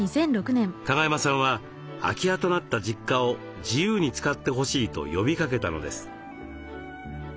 加賀山さんは空き家となった実家を自由に使ってほしいと呼びかけたのです。